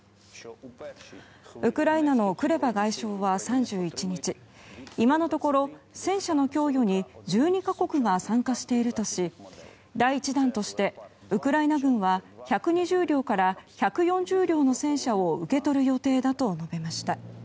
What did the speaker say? ウクライナのクレバ外相は３１日今のところ戦車の供与に１２か国が参加しているとし第１弾としてウクライナ軍は１２０両から１４０両の戦車を受け取る予定だと述べました。